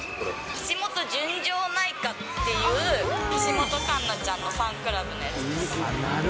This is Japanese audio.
橋本純情内科っていう、橋本環奈ちゃんのファンクラブのやつです。